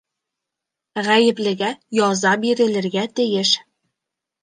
— Ғәйеплегә яза бирелергә тейеш.